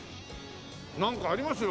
なんかありますよ